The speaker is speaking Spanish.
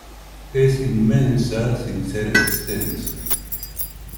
Es inmensa sin ser extensa".